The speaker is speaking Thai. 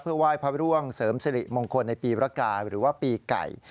ไหว้พระร่วงเสริมสิริมงคลในปีรกาหรือว่าปีไก่